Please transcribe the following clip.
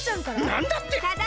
なんだって？